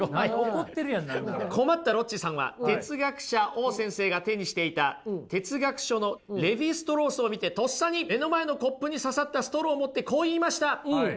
困ったロッチさんは哲学者Ｏ先生が手にしていた哲学書の「レヴィ＝ストロース」を見てとっさに目の前のコップに刺さったストローを持ってこう言いました！